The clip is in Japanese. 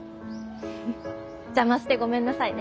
邪魔してごめんなさいね。